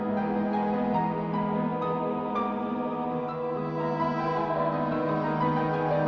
hai oke tante